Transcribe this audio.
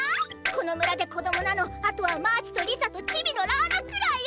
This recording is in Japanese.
この村でコドモなのあとはマーチとリサとチビのラーラくらいよ！